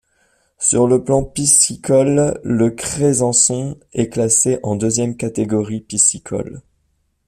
Sur le plan piscicole, le Crésançon est classé en deuxième catégorie piscicole.